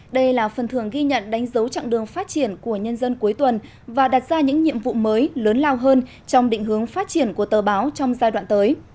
đây là phần thường ghi nhận đánh dấu chặng đường phát triển của nhân dân cuối tuần và đặt ra những nhiệm vụ mới lớn lao hơn trong định hướng phát triển của tờ báo trong giai đoạn tới